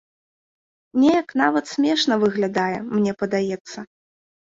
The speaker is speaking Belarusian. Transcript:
Неяк нават смешна выглядае, мне падаецца.